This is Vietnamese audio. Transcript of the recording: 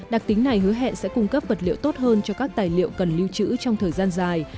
đặc tính này hứa hẹn sẽ cung cấp vật liệu tốt hơn cho các tài liệu cần lưu trữ trong thời gian dài